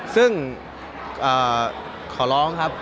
ซึ่งขอร้องครับ